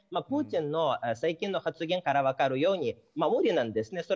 プーチンの最近の発言から分かるように無理なんですね。